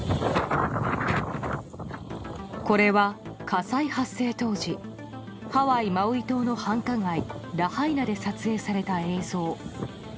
これは、火災発生当時ハワイ・マウイ島の繁華街ラハイナで撮影された映像。